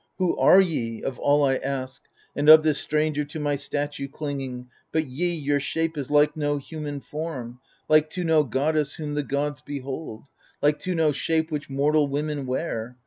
Who are ye ? of all I ask. And of this stranger to my statue clinging. But ye — your shape is like no human form. Like to no goddess whom the gods behold, Like to no shape which mortal women wear.